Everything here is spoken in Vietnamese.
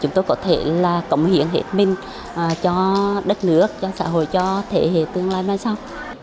chúng tôi có thể là cống hiến hết mình cho đất nước cho xã hội cho thế hệ tương lai mai sau